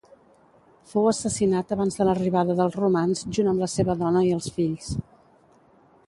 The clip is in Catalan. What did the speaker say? Fou assassinat abans de l'arribada dels romans junt amb la seva dona i els fills.